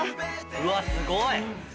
うわすごい！